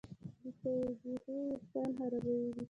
بېتوجهي وېښتيان خرابوي.